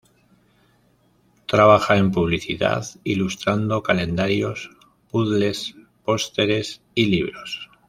Trabaja en publicidad, ilustrando calendarios, puzzles, pósteres y libros.